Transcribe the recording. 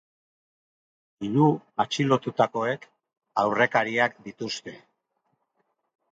Hiru atxilotutakoek aurrekariak dituzte.